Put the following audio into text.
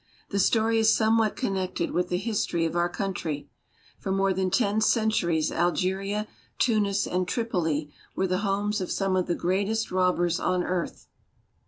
^ The story is somewhat connected with the history of our country. For more than ten centuries Algeria, Tunis, and Tripoli were the homes of some of the greatest robbers on earth.